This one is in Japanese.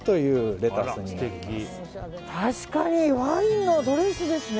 確かにワインのドレスですね。